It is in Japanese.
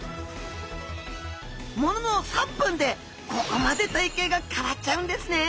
ものの３分でここまで体形が変わっちゃうんですね！